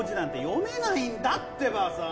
読めないんだってばさ